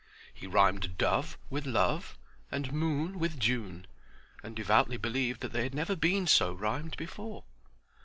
He rhymed "dove" with "love" and "moon" with "June," and devoutly believed that they had never so been rhymed before.